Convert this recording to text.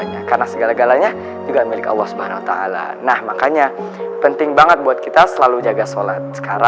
yang ketiga ada butet